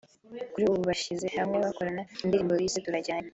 kuri ubu bashyize hamwe bakorana indirimbo bise “Turajyanye“